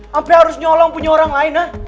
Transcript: sampai harus nyolong punya orang lain